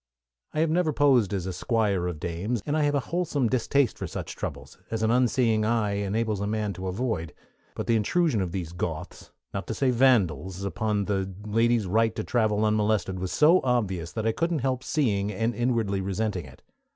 I have never posed as a Squire of Dames, and I have a wholesome distaste for such troubles as an unseeing eye enables a man to avoid; but the intrusion of these Goths, not to say Vandals, upon the lady's right to travel unmolested was so obvious that I couldn't help seeing and inwardly resenting it.